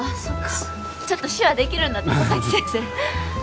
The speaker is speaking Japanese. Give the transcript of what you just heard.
ちょっと手話できるんだった佐々木先生。